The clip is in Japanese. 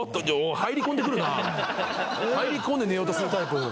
入り込んで寝ようとするタイプ。